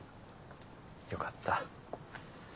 よかった。